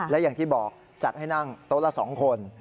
และอย่างที่บอกจัดให้นั่งโต๊ะละ๒คน